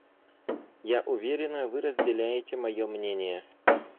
Я уверена, вы разделяете мое мнение.